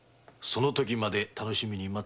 その時まで楽しみにな。